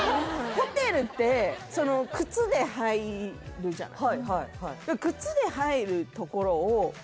ホテルって靴で入るじゃない